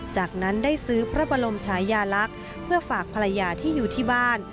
จากนั้นได้ซื้อพระบรมชายาลักษณ์เพื่อฝากภรรยาที่อยู่ที่บ้าน